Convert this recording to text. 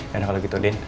yaudah kalo gitu din